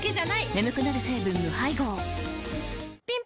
眠くなる成分無配合ぴん